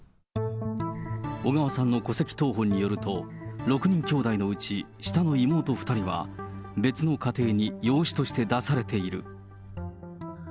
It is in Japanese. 小川さんの戸籍謄本によると、６人きょうだいのうち下の妹２人は、別の家庭に養子として出されている。